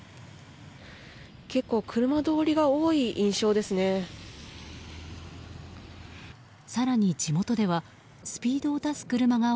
結構、車通りが多い印象ですね。